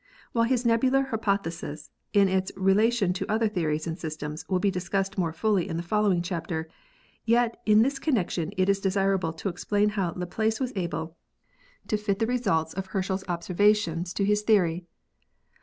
While his nebular hypothesis in its rela tion to other theories and systems will be discussed more fully in the following chapter, yet in this connection it is desirable to explain how Laplace was able to fit the results 296 ASTRONOMY of Herschel's observations to his theory.